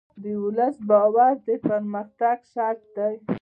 د ولس باور د پرمختګ شرط دی.